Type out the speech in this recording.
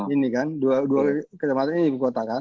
ini kan dua kecepatan ini di buku otak kan